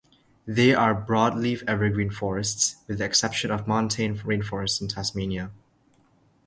They are broadleaf evergreen forests with the exception of montane rainforests of Tasmania.